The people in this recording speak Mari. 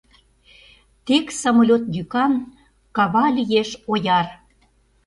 Тек самолёт йӱкан Кава лиеш ояр.